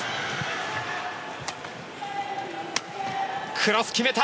クロス決めた！